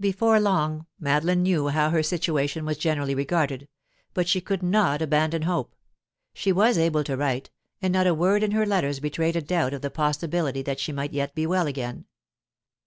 Before long Madeline knew how her situation was generally regarded, but she could not abandon hope; she was able to write, and not a word in her letters betrayed a doubt of the possibility that she might yet be well again.